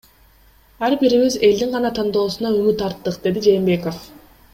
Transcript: Ар бирибиз элдин гана тандоосуна үмүт арттык, — деди Жээнбеков.